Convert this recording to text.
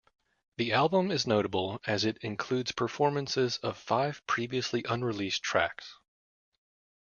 The album is notable as it includes performances of five previously unreleased tracks.